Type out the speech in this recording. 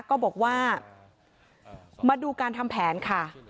ก็บอกว่ามาดูการทำแผนค่ะ